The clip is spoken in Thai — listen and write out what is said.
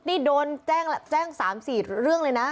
นี่โดนแจ้ง๓๔เรื่องเลยนะ